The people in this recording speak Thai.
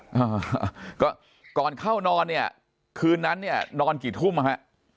เฮอะแต่ก่อนเข้านอนคืนนั้นเนี่ยนอนกี่ทุ่มเออฮะ